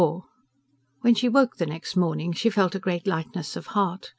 XXXIV When she woke the next morning she felt a great lightness of heart.